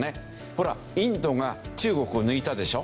ほらインドが中国を抜いたでしょ？